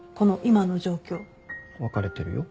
別れてるよ。